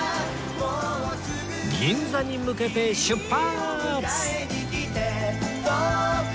銀座に向けて出発！